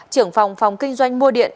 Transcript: trưởng phòng phòng kinh doanh mua điện